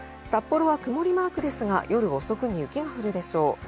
札幌は曇りマークですが、夜遅くに雪が降るでしょう。